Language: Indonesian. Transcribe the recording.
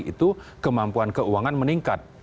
itu kemampuan keuangan meningkat